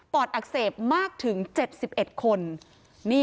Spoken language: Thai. อดอักเสบมากถึง๗๑คน